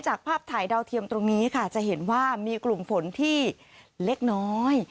ภาพถ่ายดาวเทียมตรงนี้ค่ะจะเห็นว่ามีกลุ่มฝนที่เล็กน้อย